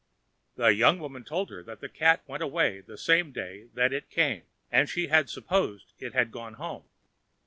The young woman told her that the cat went away the same day that it came, and she had supposed it had gone home.